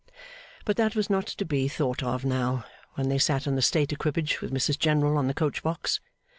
But that was not to be thought of now, when they sat in the state equipage with Mrs General on the coach box.